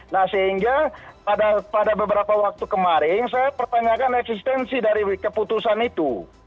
nah sehingga pada beberapa waktu kemarin saya pertanyakan eksistensi dari keputusan itu